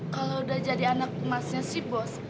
kalau udah jadi anak emasnya si bos